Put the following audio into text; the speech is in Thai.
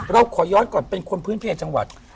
เราขอย้อนก่อนเป็นคนพื้นเพลจังหวัด